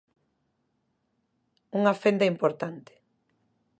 Unha fenda importante.